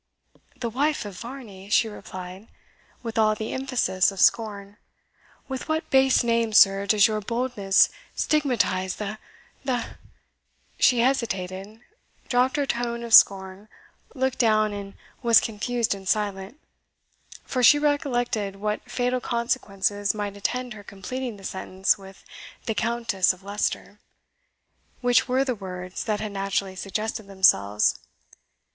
"The wife of Varney!" she replied, with all the emphasis of scorn. "With what base name, sir, does your boldness stigmatize the the the " She hesitated, dropped her tone of scorn, looked down, and was confused and silent; for she recollected what fatal consequences might attend her completing the sentence with "the Countess of Leicester," which were the words that had naturally suggested themselves.